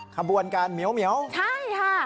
ขบวนการเหมียวใช่ค่ะ